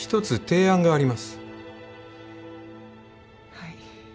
はい